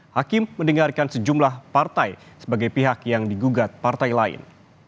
hakim mendengarkan sejumlah partai sebagai pihak yang digugat partai lain